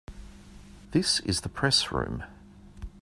This is the Press Room.